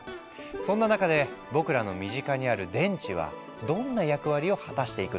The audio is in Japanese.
そんな中で僕らの身近にある電池はどんな役割を果たしていくのか。